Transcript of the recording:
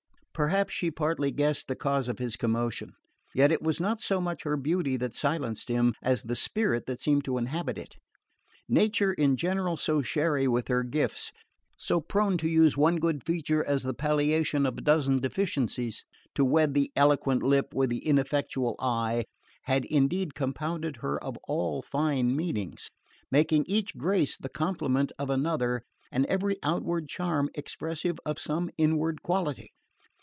Perhaps she partly guessed the cause of his commotion; yet it was not so much her beauty that silenced him, as the spirit that seemed to inhabit it. Nature, in general so chary of her gifts, so prone to use one good feature as the palliation of a dozen deficiencies, to wed the eloquent lip with the ineffectual eye, had indeed compounded her of all fine meanings, making each grace the complement of another and every outward charm expressive of some inward quality.